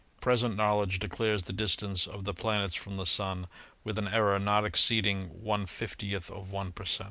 Present knowledge declares the distance of the planets from the Sun with an error not exceeding one fiftieth of one per cent.